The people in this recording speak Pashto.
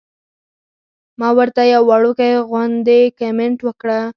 ما ورته يو وړوکے غوندې کمنټ وکړۀ -